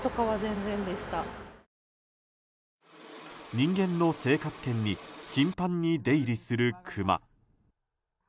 人間の生活圏に頻繁に出入りするクマ。